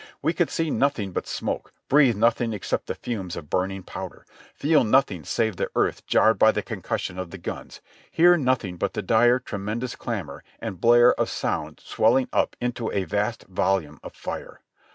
We could see nothing but smoke, breathe noth ing except the fumes of burning powder, feel nothing save the earth jarred by the concussion of the guns, hear nothing but the dire, tremendous clamor and blare of sound swelling up into a vast volume of fire.